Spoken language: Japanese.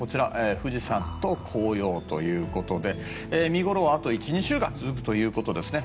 富士山と紅葉ということで見頃はあと１２週間続くということですね。